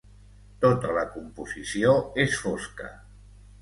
Tota la composició és fosca.